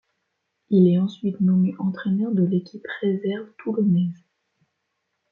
Il est ensuite nommé entraîneur de l'équipe réserve toulonnaise.